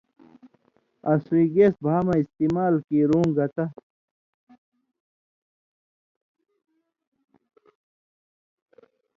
آں سُوئ گیس بھا مہ استعمال کیرُوں گتہ